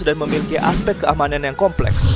dan memiliki aspek keamanan yang kompleks